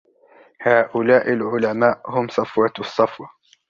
هؤلاء العلماء هم صفوة الصفوة.